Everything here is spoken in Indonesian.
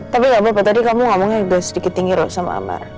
tapi gak apa apa tadi kamu ngomongnya juga sedikit tinggi roh sama amar